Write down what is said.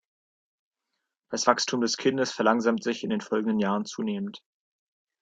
Das Wachstum des Kindes verlangsamt sich in den folgenden Jahren zunehmend.